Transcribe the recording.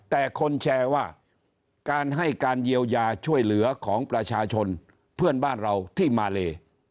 แต่คนแชร์ว่าการให้การเยียวยาช่วยเหลือของประชาชนเพื่อนบ้านเราที่มาเล